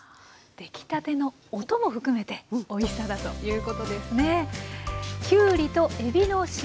出来たての音も含めておいしさだということですね。